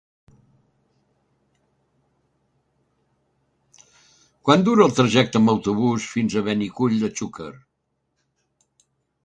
Quant dura el trajecte en autobús fins a Benicull de Xúquer?